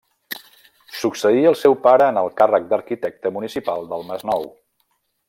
Succeí el seu pare en el càrrec d'arquitecte municipal del Masnou.